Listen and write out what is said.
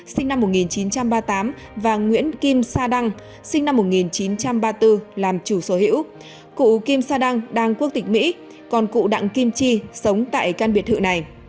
sinh năm một nghìn chín trăm ba mươi tám và nguyễn kim sa đăng sinh năm một nghìn chín trăm ba mươi bốn làm chủ sở hữu cụ kim sa đăng đang quốc tịch mỹ còn cụ đặng kim chi sống tại căn biệt thự này